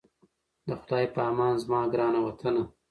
د خدای په امان زما ګرانه وطنه😞